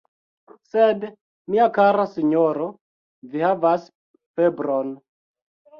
Sed, mia kara sinjoro, vi havas febron!